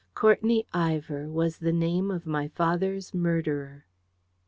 Courtenay Ivor was the name of my father's murderer!